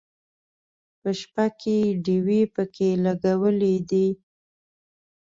په شپه کې ډیوې پکې لګولې دي.